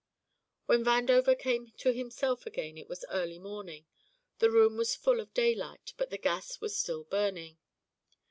When Vandover came to himself again it was early morning. The room was full of daylight, but the gas was still burning.